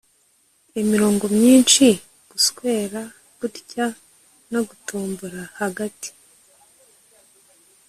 imirongo myinshi, guswera, gutya no gutombora hagati